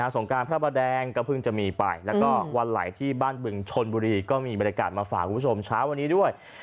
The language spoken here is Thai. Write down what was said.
สงการพระประแดงก็เพิ่งจะมีไปแล้วก็วันไหลที่บ้านบึงชนบุรีก็มีบรรยากาศมาฝากคุณผู้ชมเช้าวันนี้ด้วย